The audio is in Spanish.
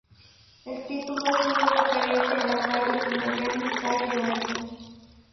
El título es una referencia a la calle de Miami Calle Ocho.